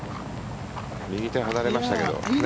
右手が離れましたけど。